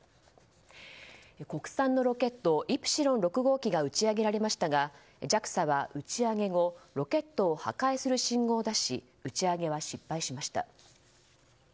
国産のロケット「イプシロン６号機」が打ち上げられましたがＪＡＸＡは打ち上げ後ロケットを破壊する信号を出し打ち上げは失敗しました。